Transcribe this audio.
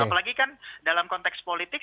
apalagi kan dalam konteks politik